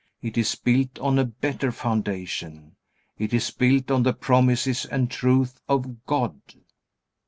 It is built on a better foundation. It is built on the promises and truth of God.